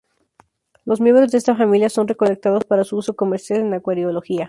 Los miembros de esta familia son recolectados para su uso comercial en acuariología.